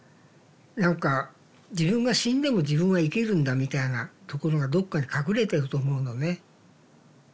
何か自分が死んでも自分は生きるんだみたいなところがどっかに隠れてると思うのね。